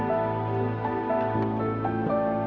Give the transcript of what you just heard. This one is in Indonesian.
nanti bu mau ke rumah